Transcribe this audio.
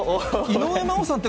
井上真央さんが。